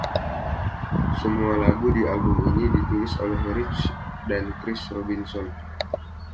Semua lagu di album ini ditulis oleh Rich dan Chris Robinson.